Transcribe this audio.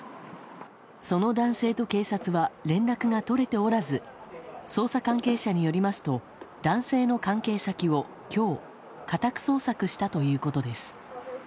その男性と警察は連絡が取れておらず捜査関係者によりますと男性の関係先を今日家宅捜索したということです。